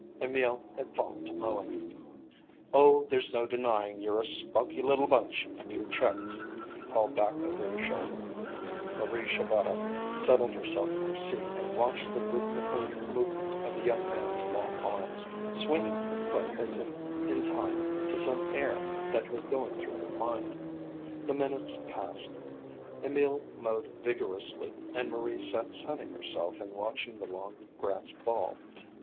Emil had fallen to mowing. "Oh, there's no denying you're a spunky little bunch, you Czechs," he called back over his shoulder. Marie Shabata settled herself in her seat and watched the rhythmical movement of the young man's long arms, swinging her foot as if in time to some air that was going through her mind. The minutes passed. Emil mowed vigorously and Marie sat sunning herself and watching the long grass fall.